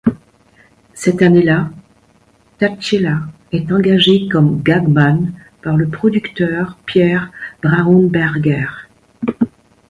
Cette année-là, Tacchella est engagé comme gagman par le producteur Pierre Braunberger.